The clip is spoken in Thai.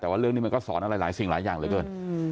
แต่ว่าเรื่องนี้มันก็สอนอะไรหลายสิ่งหลายอย่างเหลือเกิน